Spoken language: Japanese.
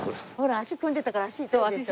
足組んでたから足痛いでしょ？